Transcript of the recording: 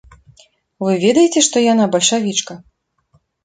Вы ведаеце, што яна бальшавічка?